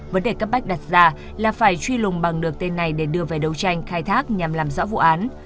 vấn đề cấp bách đặt ra là phải truy lùng bằng được tên này để đưa về đấu tranh khai thác nhằm làm rõ vụ án